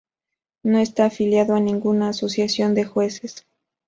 No está afiliado a ninguna asociación de jueces.